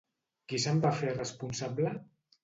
Qui se'n va fer responsable?